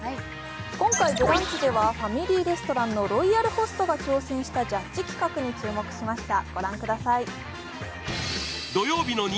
今回「ブランチ」ではファミリーレストランのロイヤルホストが挑戦したジャッジ企画に注目しました。